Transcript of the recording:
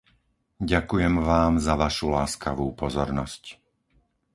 Ďakujem vám za vašu láskavú pozornosť.